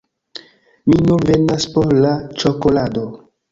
Mi nur venas por la ĉokolado